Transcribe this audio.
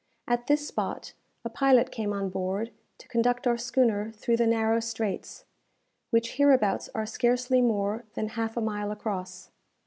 At this spot, a pilot came on board to conduct our schooner through the narrow straits, which hereabouts are scarcely more than half a mile across.